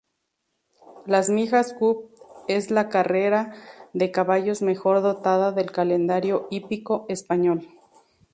La Mijas Cup es la carrera de caballos mejor dotada del calendario hípico español.